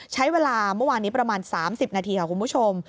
ใช้เวลาเมื่อวานนี้ประมาณ๓๐นาทีค่ะคุณผู้ชม